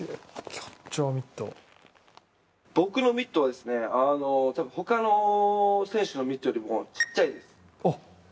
僕のミットは多分の他の選手のミットよりもちっちゃいです。